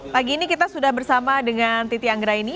pagi ini kita sudah bersama dengan titi anggraini